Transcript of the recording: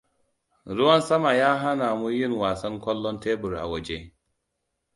Ruwan sama ya hana mu yin wasan ƙwallon tebur a waje.